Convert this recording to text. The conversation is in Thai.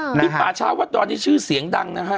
ที่ป่าช้าวัดดอนนี่ชื่อเสียงดังนะฮะ